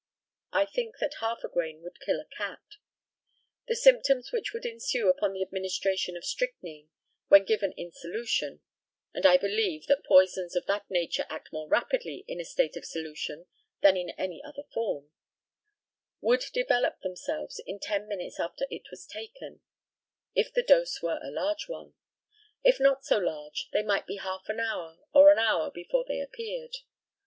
I think that half a grain would kill a cat. The symptoms which would ensue upon the administration of strychnine, when given in solution and I believe that poisons of that nature act more rapidly in a state of solution than in any other form would develope themselves in ten minutes after it was taken, if the dose were a large one; if not so large, they might be half an hour, or an hour before they appeared.